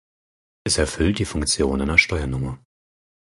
Es erfüllt die Funktion einer Steuernummer.